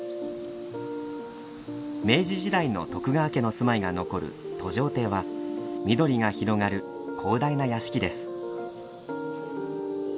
明治時代の徳川家の住まいが残る戸定邸は緑が広がる広大な屋敷です。